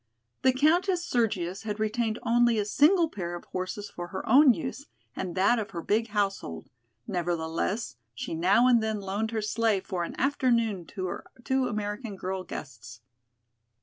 The Countess Sergius had retained only a single pair of horses for her own use and that of her big household, nevertheless, she now and then loaned her sleigh for an afternoon to her two American girl guests.